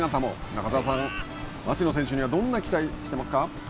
中澤さん、町野選手にはどんな期待していますか？